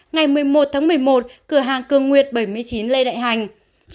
ngày một mươi một tháng một mươi một cửa hàng cường nguyệt bảy mươi chín lê đại hành